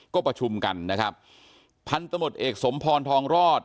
ก็ประชุมกันนะครับพันธมตเอกสมพรทองรอด